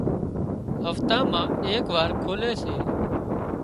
هفتا مان ايڪ وار کولي سي